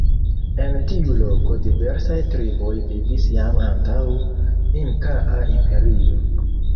En tiu loko diversaj triboj vivis jam antaŭ Inkaa imperio.